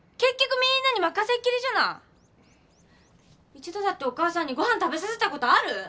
一度だってお母さんにご飯食べさせたことある？